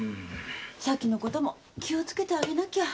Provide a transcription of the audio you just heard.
咲のことも気を付けてあげなきゃ。